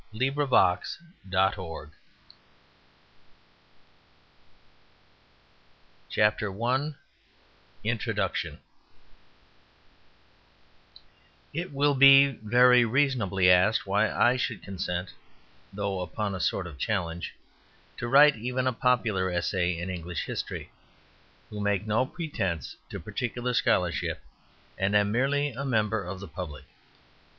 CONCLUSION 238 A SHORT HISTORY OF ENGLAND I INTRODUCTION It will be very reasonably asked why I should consent, though upon a sort of challenge, to write even a popular essay in English history, who make no pretence to particular scholarship and am merely a member of the public.